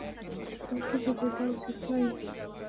তোমাকে যেতে দেয়া উচিৎ হয়নি।